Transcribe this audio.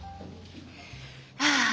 ああ！